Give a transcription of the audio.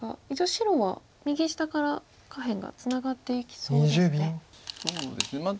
一応白は右下から下辺がツナがっていきそうですね。